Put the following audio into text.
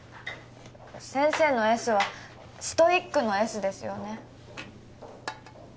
先生のＳはストイックのＳですよね